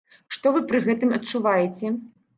Што вы пры гэтым адчуваеце?